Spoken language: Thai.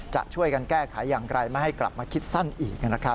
จะช่วยกันแก้ไขอย่างไรไม่ให้กลับมาคิดสั้นอีกนะครับ